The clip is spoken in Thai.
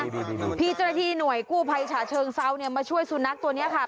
พี่เจ้าหน้าที่หน่วยกู้ภัยฉะเชิงเซาเนี่ยมาช่วยสุนัขตัวนี้ค่ะ